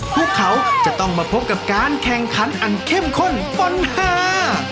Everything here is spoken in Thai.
พวกเขาจะต้องมาพบกับการแข่งขันอันเข้มข้นปัญหา